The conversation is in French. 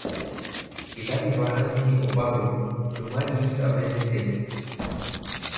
Il arriva ainsi au barreau que Marius avait descellé.